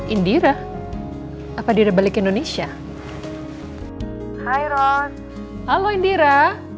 indira apa dia balik indonesia hai ron halo indira